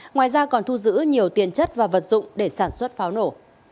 ngoài ra còn thu giữ nhiều tiền chất và vật dụng để sản xuất pháo nổ